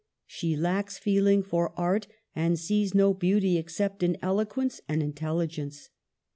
She lacks feeling for art, and sees no beautyexcept in eloquence and intelligence.